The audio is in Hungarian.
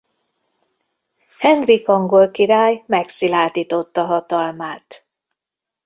Henrik angol király megszilárdította hatalmát.